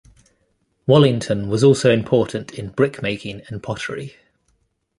Wallington was also important in brickmaking and pottery.